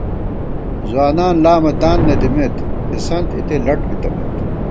ځوانان لامہ تان نہ دِمېت، تھِسنت اِتےلٹ بِتَنَئت